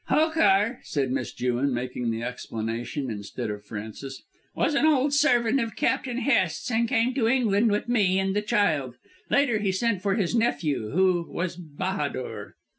"Hokar," said Miss Jewin, making the explanation instead of Frances, "was an old servant of Captain Hest's and came to England with me and the child. Later he sent for his nephew, who was Bahadur."